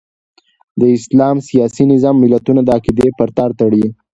د اسلام سیاسي نظام ملتونه د عقیدې په تار تړي.